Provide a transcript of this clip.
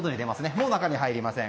もう中に入りません。